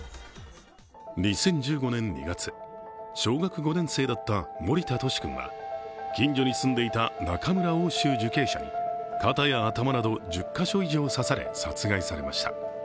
２０１５年２月、小学５年生だった森田都史君は近所に住んでいた中村桜洲受刑者に肩や頭など１０か所以上刺され殺害されました。